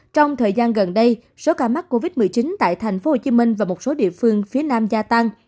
trong thời gian gần đây số ca mắc covid một mươi chín tại thành phố hồ chí minh và một số địa phương phía nam gia tăng